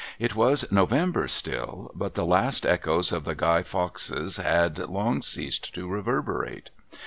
It was November still, but the last echoes of the Guy Foxes had long ceased to reverberate.